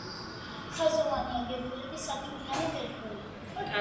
ხაზოვანი აგებულების სართულიანი ფერხული.